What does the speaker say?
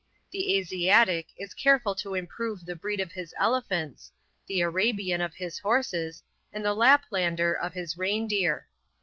The Asiatic is careful to improve the breed of his elephants, the Arabian of his horses, and the Laplander of his reindeer.